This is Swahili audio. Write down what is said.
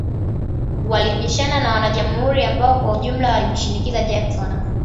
Walipishana na wajamhuri ambao kwa ujumla walimshinikiza Jackson.